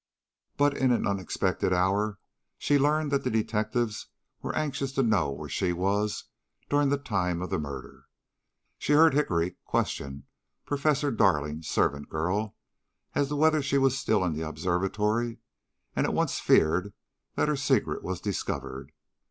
"But in an unexpected hour she learned that the detectives were anxious to know where she was during the time of the murder. She heard Hickory question Professor Darling's servant girl, as to whether she was still in the observatory, and at once feared that her secret was discovered.